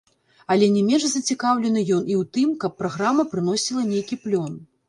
Але не менш зацікаўлены ён і ў тым, каб праграма прыносіла нейкі плён.